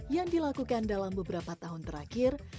yang dilakukan dalam beberapa tahun terakhir